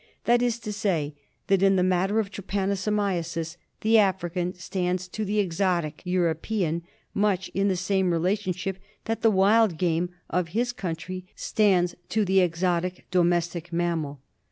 That is to say, that in the matter of trypanosomiasis the African stands to the exotic European much in the same relation ship that the wild game of his country stands to the exotic domestic mammal.